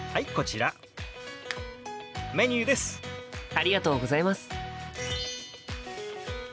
ありがとうございます。